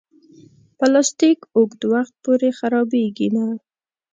پلاستيک اوږد وخت پورې خرابېږي نه.